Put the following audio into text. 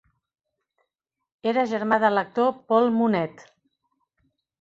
Era germà de l'actor Paul Mounet.